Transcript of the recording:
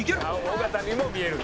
「尾形にも見えるんだ」